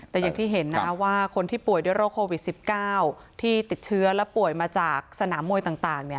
แต่อย่างที่เห็นนะว่าคนที่ป่วยด้วยโรคโควิด๑๙ที่ติดเชื้อและป่วยมาจากสนามมวยต่าง